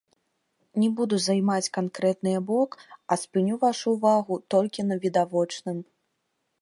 Не буду займаць канкрэтныя бок, а спыню вашу ўвагу толькі на відавочным.